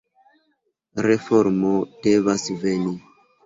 Reformo devas veni.